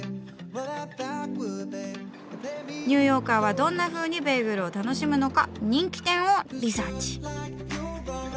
ニューヨーカーはどんなふうにベーグルを楽しむのか人気店をリサーチ。